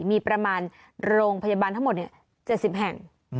มีประมาณโรงพยาบาลทั้งหมด๗๐แห่ง